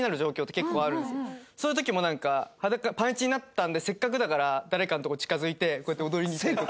そういう時もなんか裸パンイチになったんでせっかくだから誰かのとこに近付いてこうやって踊りに行ったりとか。